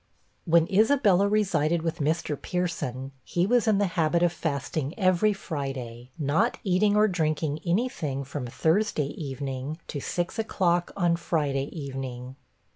When Isabella resided with Mr. Pierson, he was in the habit of fasting every Friday; not eating or drinking anything from Thursday evening to six o'clock on Friday evening.